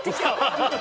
ハハハハ！